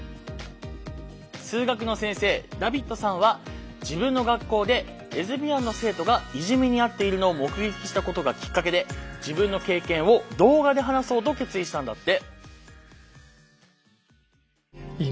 数学の先生ダビッドさんは自分の学校でレズビアンの生徒がいじめに遭っているのを目撃したことがきっかけで自分の経験を動画で話そうと決意したんだって。